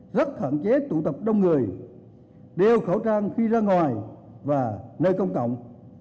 rất hạn chế tụ tập đông người đeo khẩu trang khi ra ngoài và nơi công cộng